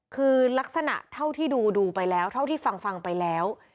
คือลักษณะเท่าที่ดูไปแล้วเท่าที่ฟังไปแล้ว